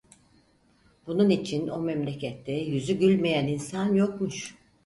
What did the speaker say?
Bunun için o memlekette yüzü gülmeyen insan yokmuş.